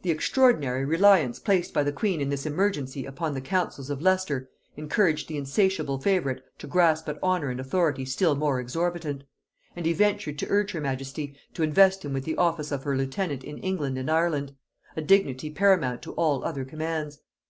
The extraordinary reliance placed by the queen in this emergency upon the counsels of Leicester encouraged the insatiable favorite to grasp at honor and authority still more exorbitant; and he ventured to urge her majesty to invest him with the office of her lieutenant in England and Ireland; a dignity paramount to all other commands.